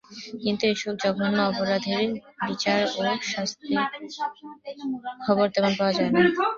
কিন্তু এসব জঘন্য অপরাধীর বিচার ও শাস্তির খবর তেমন পাওয়া যায় না।